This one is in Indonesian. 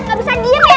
ga bisa diam ya